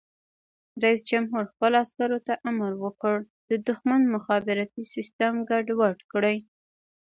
رئیس جمهور خپلو عسکرو ته امر وکړ؛ د دښمن مخابراتي سیسټم ګډوډ کړئ!